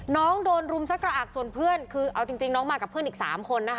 น้องโดนรุมสักกระอักส่วนเพื่อนคือเอาจริงน้องมากับเพื่อนอีก๓คนนะคะ